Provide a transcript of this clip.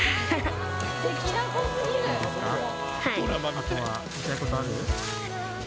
あとは言いたいことある？